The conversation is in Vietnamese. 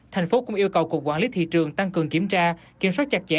thành phố cũng yêu cầu cục quản lý thị trường tăng cường kiểm tra kiểm soát chặt chẽ